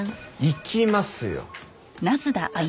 行きますよ。